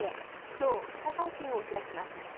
今日、記者会見を開きます。